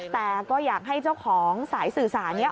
แต่ก็อยากให้เจ้าของสายสื่อสารนี้